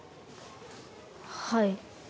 はい。